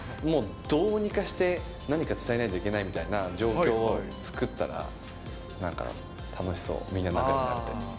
もうどうにかして何か伝えないといけないみたいな状況を作ったら、なんか楽しそう、みんな仲よくなれて。